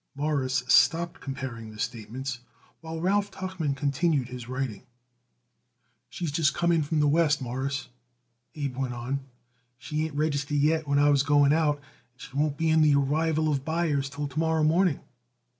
Morris stopped comparing the statements, while Ralph Tuchman continued his writing. "She's just come in from the West, Mawruss," Abe went on. "She ain't registered yet when I was going out, and she won't be in the Arrival of Buyers till to morrow morning."